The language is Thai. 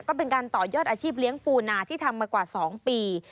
ก็เป็นการต่อยอดอาชีพเลี้ยงปูนาที่ทำมากว่า๒ปี